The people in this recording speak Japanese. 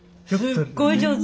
すっごい上手。